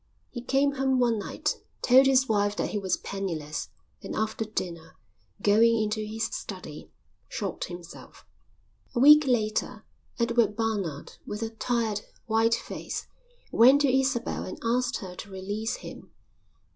He came home one night, told his wife that he was penniless, and after dinner, going into his study, shot himself. A week later, Edward Barnard, with a tired, white face, went to Isabel and asked her to release him.